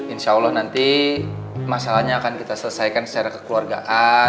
insya allah nanti masalahnya akan kita selesaikan secara kekeluargaan